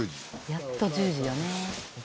やっと１０時よね。